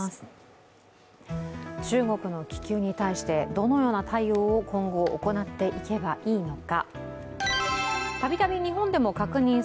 中国の気球に対してどのような対応を今後行っていけばいいのか。